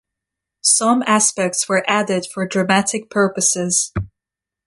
Some aspects were added for dramatic purposes.